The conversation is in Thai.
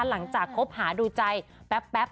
หลังจากคบหาดูใจแป๊บ